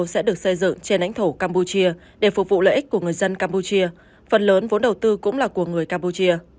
sẽ được xây dựng trên lãnh thổ campuchia để phục vụ lợi ích của người dân campuchia phần lớn vốn đầu tư cũng là của người campuchia